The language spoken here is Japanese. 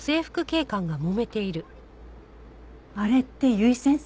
あれって由井先生？